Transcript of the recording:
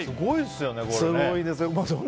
すごいですね。